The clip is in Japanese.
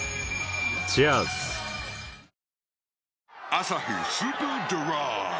「アサヒスーパードライ」